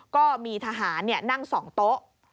ก็มีทหารนั่ง๒โต๊ะ